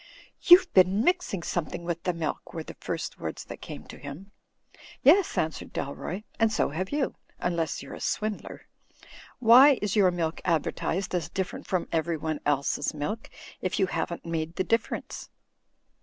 ''You've been mixing something with the milk," were the first words that came to him. "Yes," answered Dalroy, "and so have you, unless you're a swindler. Why is your milk advertised as different from everyone else's milk, if you haven't made the difference